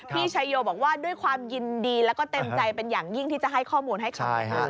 พี่ชายโยบอกว่าด้วยความยินดีแล้วก็เต็มใจเป็นอย่างยิ่งที่จะให้ข้อมูลให้คำนะคะ